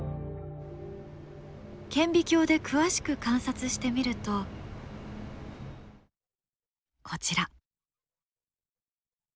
顕微鏡で詳しく観察してみるとこちら。